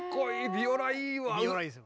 ビオラいいですね。